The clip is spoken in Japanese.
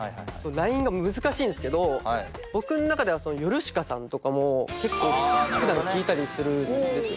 ラインが難しいんですけど僕の中ではヨルシカさんとかも結構普段聴いたりするんですよ。